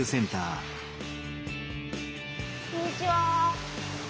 あっこんにちは。